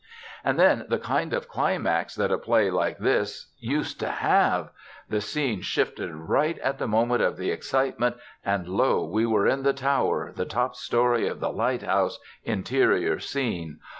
And then the kind of climax that a play like this used to have! The scene shifted right at the moment of the excitement, and lo! we are in the tower, the top story of the lighthouse, interior scene.